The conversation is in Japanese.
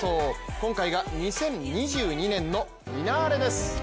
今回が２０２２年のフィナーレです。